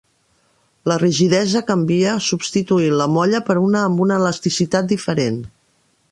La rigidesa canvia substituint la molla per una amb una elasticitat diferent.